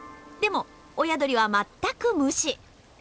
でも親鳥は全く無視。